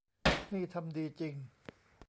นี่ทำดีจริง